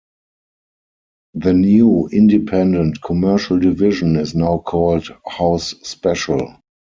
The new independent commercial division is now called HouseSpecial.